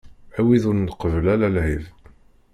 A wid ur nqebbel ara lɛib.